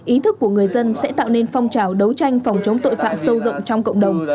ý thức của người dân sẽ tạo nên phong trào đấu tranh phòng chống tội phạm sâu rộng trong cộng đồng